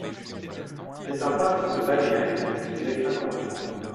C’est un peintre de Bagnères, qui nous devait cinquante francs.